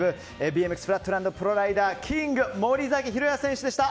フラットランドプロライダーキング森崎弘也選手でした。